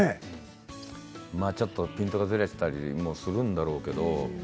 ピントがずれていたりもするんだろうけれど。